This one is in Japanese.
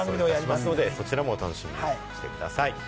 そちらもお楽しみにしてください。